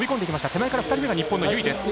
手前から２人目が日本の由井です。